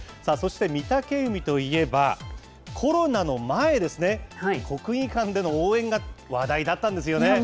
そして、御嶽海といえば、コロナの前ですね、国技館での応援が話題だったんですよね。